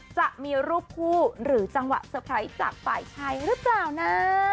จะมีรูปคู่หรือจังหวะเซอร์ไพรส์จากฝ่ายชายหรือเปล่านะ